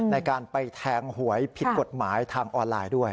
ในการไปแทงหวยผิดกฎหมายทางออนไลน์ด้วย